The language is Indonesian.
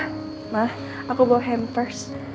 pa ma aku bawa hamper